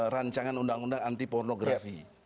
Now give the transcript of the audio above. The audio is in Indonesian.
rancangan undang undang anti pornografi